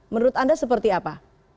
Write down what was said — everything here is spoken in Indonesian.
menurut anda seperti apa